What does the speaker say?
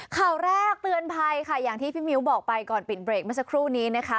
ข่าวแรกเตือนภัยค่ะอย่างที่พี่มิ้วบอกไปก่อนปิดเบรกเมื่อสักครู่นี้นะคะ